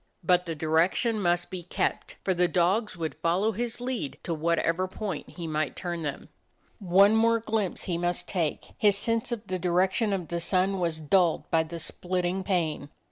But the direction must be kept, for the dogs would follow his lead to whatever point he might turn them. One more glimpse he must take. His sense of the direction of the sun was dulled by the splitting pain.